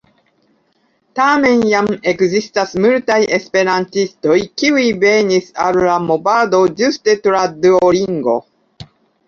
Tamen jam ekzistas multaj esperantistoj, kiuj venis al la movado ĝuste tra Duolingo.